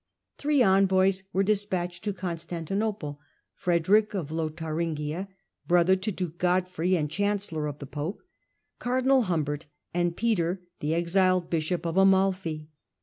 Three envoys were de spatched to Constantinople : Frederick of Lotharingia, (brother to duke Godfrey and chancellor of the pope) cardinal Humbert, and Peter, the exiled bishop of Amalfi.